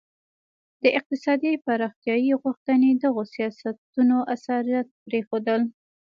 د اقتصادي پراختیايي غوښتنې دغو سیاستونو اثرات پرېښودل.